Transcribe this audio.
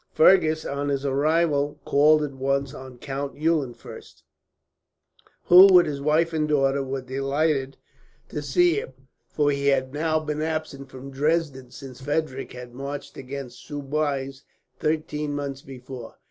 Fergus, on his arrival, called at once on Count Eulenfurst; who, with his wife and daughter, were delighted to see him, for he had now been absent from Dresden since Frederick had marched against Soubise, thirteen months before.